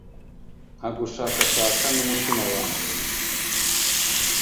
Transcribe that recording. nkagushakashaka n’umutima wanjye,